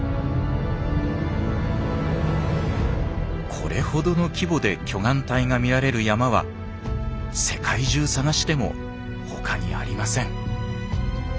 これほどの規模で巨岩帯が見られる山は世界中探しても他にありません。